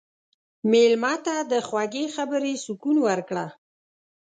مېلمه ته د خوږې خبرې سکون ورکړه.